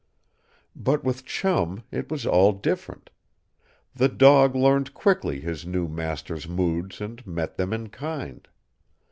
But with Chum it was all different. The dog learned quickly his new master's moods and met them in kind.